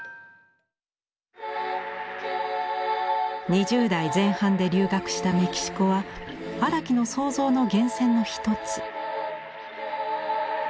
２０代前半で留学したメキシコは荒木の創造の源泉の一つ。